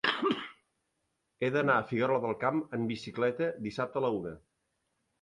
He d'anar a Figuerola del Camp amb bicicleta dissabte a la una.